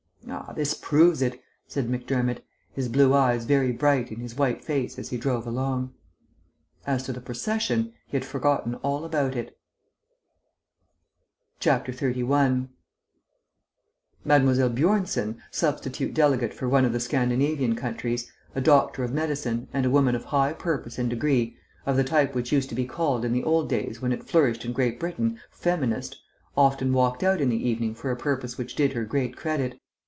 "Ah, this proves it," said Macdermott, his blue eyes very bright in his white face as he drove along. As to the procession, he had forgotten all about it. 31 Mademoiselle Bjornsen, substitute delegate for one of the Scandinavian countries, a doctor of medicine, and a woman of high purpose and degree, of the type which used to be called, in the old days when it flourished in Great Britain, feminist, often walked out in the evening for a purpose which did her great credit.